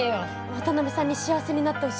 渡辺さんに幸せになってほしいって